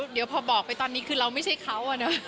เดี๋ยวพอบอกไปตอนนี้คือเราไม่ใช่เขา